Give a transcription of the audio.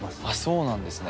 そうなんですね。